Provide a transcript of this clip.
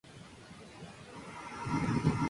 Esto es, en parte, por razones políticas prácticas.